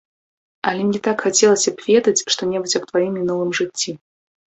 Але мне так хацелася б ведаць, што-небудзь аб тваім мінулым жыцці.